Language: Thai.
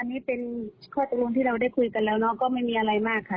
อันนี้เป็นข้อตกลงที่เราได้คุยกันแล้วเนาะก็ไม่มีอะไรมากค่ะ